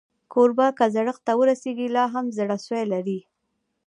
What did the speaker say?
کوربه که زړښت ته ورسېږي، لا هم زړهسوی لري.